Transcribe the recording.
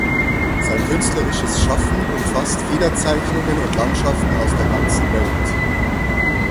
Sein künstlerisches Schaffen umfasst Federzeichnungen und Landschaften aus der ganzen Welt.